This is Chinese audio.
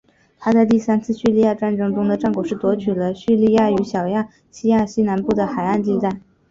他在第三次叙利亚战争中的战果是夺取了叙利亚与小亚细亚西南部的海岸地带。